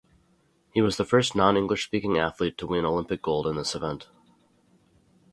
He was the first non-English speaking athlete to win Olympic gold in this event.